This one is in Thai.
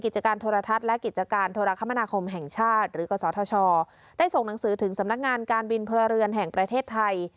กิจการโทรทัศน์และกิจการโทรคมนาคมแห่งชาติหรือกศธชได้ส่งหนังสือถึงสำนักงานการบินพลเรือนแห่งประเทศไทย